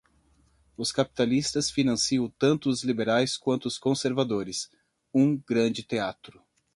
Os capitalistas financiam tanto os liberais quanto os conservadores, um grande teatro